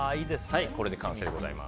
これで完成でございます。